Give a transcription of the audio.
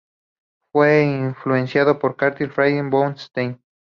Fue influenciado por Karl Freiherr vom Stein.